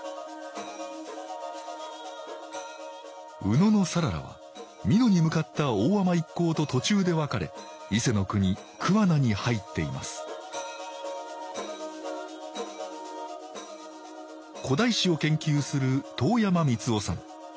野讃良は美濃に向かった大海人一行と途中で別れ伊勢国桑名に入っています古代史を研究する遠山美都男さん。